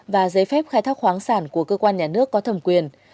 và giấy phép khai thác khoáng sản của cơ quan nhà nước có thẩm quyền